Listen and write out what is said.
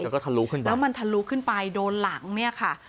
แล้วก็ทะลุขึ้นไปแล้วมันทะลุขึ้นไปโดนหลังเนี่ยค่ะ